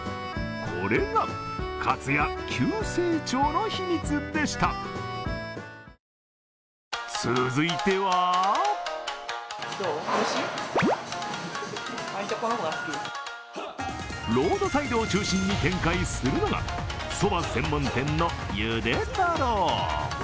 これが、かつや急成長の秘密でした続いてはロードサイドを中心に展開するのが、そば専門店のゆで太郎。